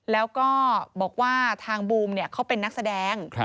แล้วก็บอกว่าทางบูมเขาเป็นนักแสดง